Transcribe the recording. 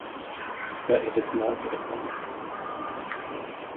But it is not a clinic.